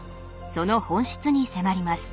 その本質に迫ります。